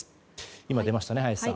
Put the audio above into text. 今、出ましたね、林さん。